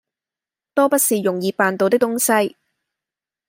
多不是容易辦到的東西。